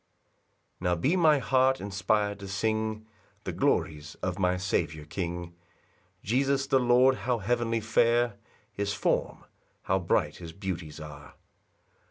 1 Now be my heart inspir'd to sing The glories of my Saviour king, Jesus the Lord; how heavenly fair His form! how 'bright his beauties are!